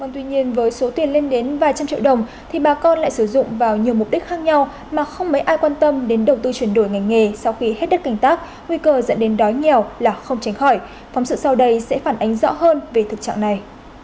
tuy nhiên với số tiền lên đến vài trăm triệu đồng thì bà con lại sử dụng vào nhiều mục đích khác nhau mà không mấy ai quan tâm đến đầu tư chuyển đổi ngành nghề sau khi hết đất canh tác nguy cơ dẫn đến đói nghèo là không tránh khỏi phóng sự sau đây sẽ phản ánh rõ hơn về thực trạng này